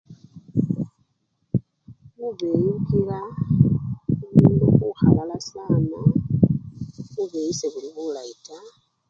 Bubeyi bukila omundu khukhalala sikila bubeyi sebuli bulayi taa